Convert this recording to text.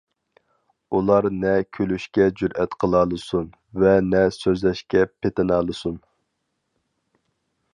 ئۇلار نە كۈلۈشكە جۈرئەت قىلالىسۇن ۋە نە سۆزلەشكە پېتىنالىسۇن.